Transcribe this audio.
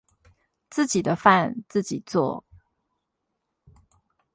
自己的飯自己做